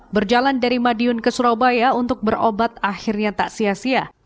berjalan dari madiun ke surabaya untuk berobat akhirnya tak sia sia